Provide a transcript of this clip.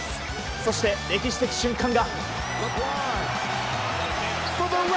そして、歴史的瞬間が。